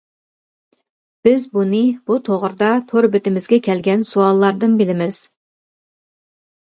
بىز بۇنى بۇ توغرىدا تور بېتىمىزگە كەلگەن سوئاللاردىن بىلىمىز.